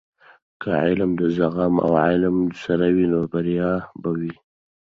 که علم د زغم او عمل سره وي، نو بریا به وي.